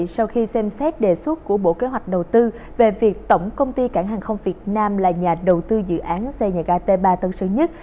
sau khi xem xét đề xuất của bộ kế hoạch đầu tư về việc tổng công ty cảng hàng không việt nam là nhà đầu tư dự án xây nhà ga t ba tân sơn nhất